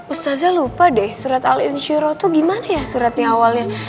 ustazah lupa deh surat al inshiro tuh gimana ya suratnya awalnya